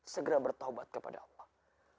segera bertaubat kepada allah